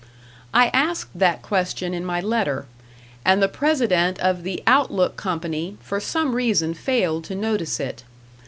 I asked that question in my letter, and the president of the "Outlook" Company for some reason failed to notice it.